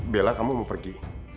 bella kamu mau pergi